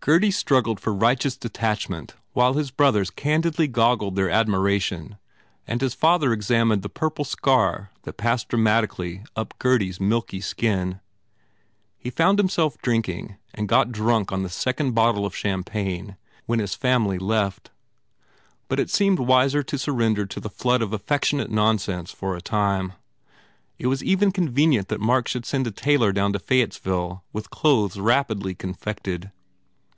Gurdy struggled for righteous detachment while his brothers candidly goggled their admiration and his father examined the pur ple scar that passed dramatically up Gurdy s milky skin. He found himself blinking and got drunk on the second bottle of champagne when his family left. But it seemed wiser to surrender to the flood of affectionate nonsense for a time. It was even convenient that Mark should send a tailor down to Fayettesville with clothes rapidly confected.